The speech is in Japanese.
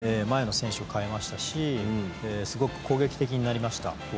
２枚代えということで前の選手を代えましたしすごく攻撃的になりました。